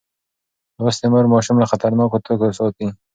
لوستې مور ماشوم له خطرناکو توکو ساتي.